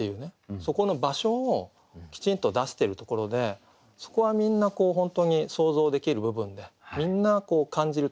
そこの場所をきちんと出せてるところでそこはみんな本当に想像できる部分でみんな感じるところですよね。